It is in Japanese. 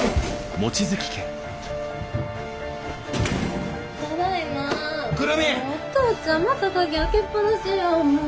もうお父ちゃんまた鍵開けっ放しやんもう。